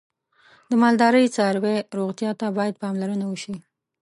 د مالدارۍ څاروی روغتیا ته باید پاملرنه وشي.